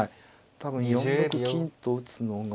多分４六金と打つのが。